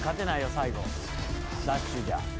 最後ダッシュじゃ。